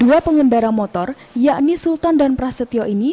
dua pengendara motor yakni sultan dan prasetyo ini